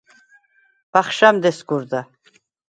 ვახშამდ ესგუ̄რდა.